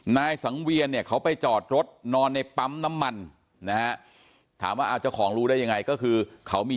นายสังเวียนเนี่ยเขาไปจอดรถนอนในปั๊มน้ำมันนะฮะถามว่าเอาเจ้าของรู้ได้ยังไงก็คือเขามี